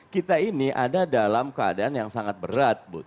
kita ini ada dalam keadaan yang sangat berat